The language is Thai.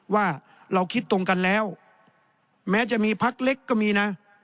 ว่าเราคิดตรงกันแล้วแม้จะมีพักเล็กก็มีนะ